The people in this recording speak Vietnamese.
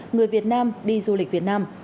người việt nam đi du lịch việt nam